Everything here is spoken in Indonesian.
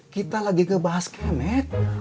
kita lagi ngebahas kemet